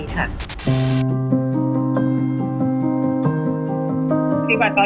ดีกว่าตอนนี้แปลว่า